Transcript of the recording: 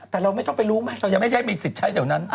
แต่เรามันไม่ต้องไปลู้มั้ยไม่มีสิทธิ์ใช้ตัวนั้น